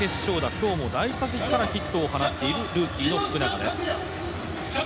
今日も第１打席からヒットを放っているルーキーの福永です。